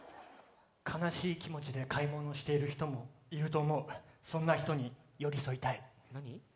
悲しい気持ちで買い物している人もいると思うそんな人に寄り添いたい何！？